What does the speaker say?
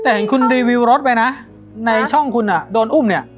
แต่เห็นคุณรีวิวรถไปนะในช่องคุณโดนอุ้มเนี่ย